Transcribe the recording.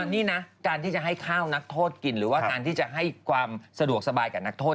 นี่นะการที่จะให้ข้าวนักโทษกินหรือว่าการที่จะให้ความสะดวกสบายกับนักโทษ